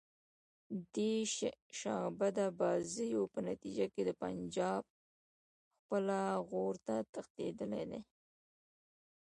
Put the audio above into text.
دې شعبده بازیو په نتیجه کې د پنجاب خپله عورته تښتېدلې ده.